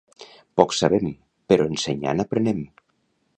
Poc sabem, però ensenyant aprenem.